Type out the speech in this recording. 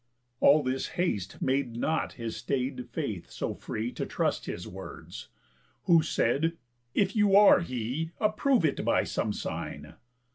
All this haste made not his staid faith so free To trust his words; who said: "If you are he, Approve it by some sign."